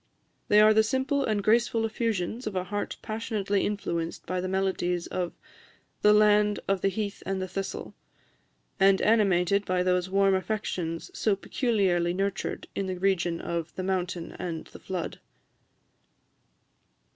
They are the simple and graceful effusions of a heart passionately influenced by the melodies of the "land of the heath and the thistle," and animated by those warm affections so peculiarly nurtured in the region of "the mountain and the flood."